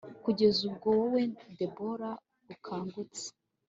kugeza ubwo wowe, debora, ukangutse